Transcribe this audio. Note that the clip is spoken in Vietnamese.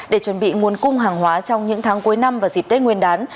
để chuẩn bị nguồn cung hàng hóa trong những tháng cuối năm và dịp tết nguyên đán